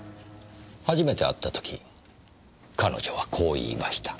初めて会った時彼女はこう言いました。